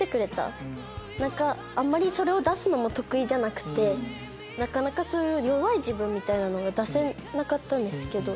あんまりそれを出すのも得意じゃなくてなかなか弱い自分みたいなのが出せなかったんですけど。